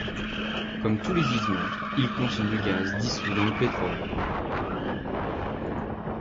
Comme tous les gisements, il contient du gaz dissous dans le pétrole.